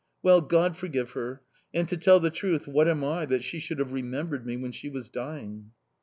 Well, God forgive her!... And, to tell the truth, what am I that she should have remembered me when she was dying?...